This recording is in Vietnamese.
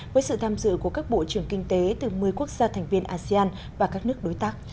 với sự tham dự của các bộ trưởng kinh tế từ một mươi quốc gia thành viên asean và các nước đối tác